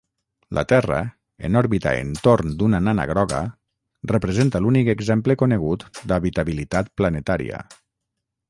La Terra, en òrbita entorn d'una nana groga, representa l'únic exemple conegut d'habitabilitat planetària.